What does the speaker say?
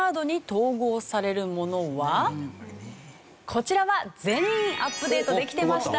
こちらは全員アップデートできてました。